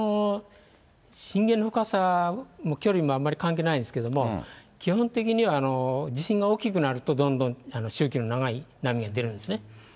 震源の深さも距離もあまり関係ないんですけれども、基本的には地震が大きくなると、どんどん周期の長い波が出るんですね。